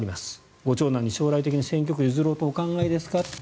ご長男に将来的に選挙区を譲ろうとお考えですかと。